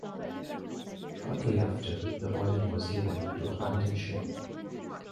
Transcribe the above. Shortly after, the order was given to abandon ship.